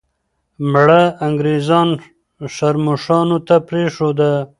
مړه انګریزان ښرموښانو ته پرېږده.